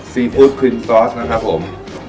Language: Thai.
ซีฟู้ดครีมซอสนะครับผม